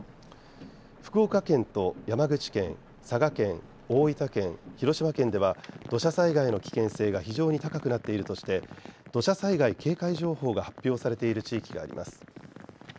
福岡県と山口県、佐賀県、大分県、広島県では土砂災害の危険性が非常に高くなっているとして土砂災害警戒情報が発表されている地域があります。